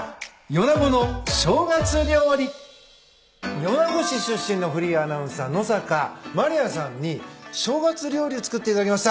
米子市出身のフリーアナウンサー野坂まりあさんに正月料理を作っていただきました。